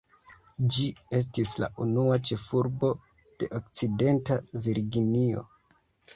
Ĝi estis la unua ĉefurbo de Okcidenta Virginio.